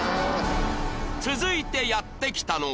続いてやって来たのは